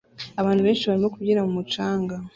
Abantu benshi barimo kubyina mu mucanga